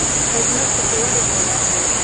خدمت پکې ولې ثواب دی؟